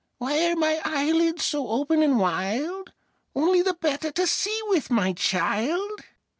"Why are my eyelids so open and wild?" Only the better to see with, my child!